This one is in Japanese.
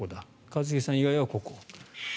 一茂さん以外はここ。